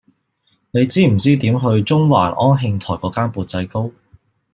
你知唔知點去中環安慶台嗰間缽仔糕